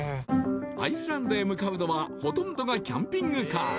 アイスランドへ向かうのはほとんどがキャンピングカー